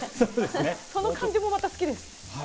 この感じもまた好きです。